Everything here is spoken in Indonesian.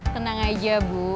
tenang aja bu